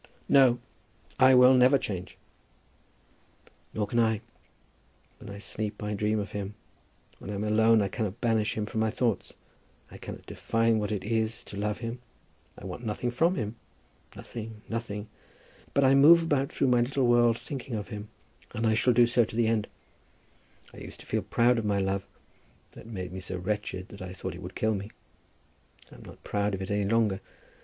"No; I will never change." "Nor can I. When I sleep I dream of him. When I am alone I cannot banish him from my thoughts. I cannot define what it is to love him. I want nothing from him, nothing, nothing. But I move about through my little world thinking of him, and I shall do so to the end. I used to feel proud of my love, though it made me so wretched that I thought it would kill me. I am not proud of it any longer.